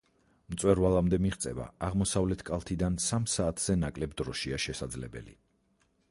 მწვერვალამდე მიღწევა აღმოსავლეთ კალთიდან სამ საათზე ნაკლებ დროშია შესაძლებელი.